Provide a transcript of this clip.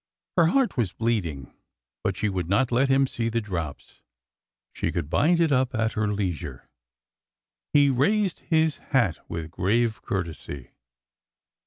Her heart was bleeding, but she would not let him see the drops. She could bind it up at her leisure. He raised his hat with grave courtesy.